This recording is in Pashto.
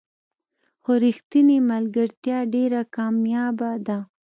خو رښتینې ملګرتیا ډېره کمیابه ده.